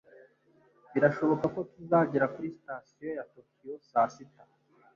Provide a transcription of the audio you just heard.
Birashoboka ko tuzagera kuri sitasiyo ya Tokiyo saa sita.